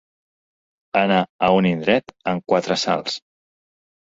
Anar a un indret en quatre salts.